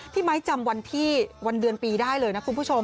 ไมค์จำวันที่วันเดือนปีได้เลยนะคุณผู้ชม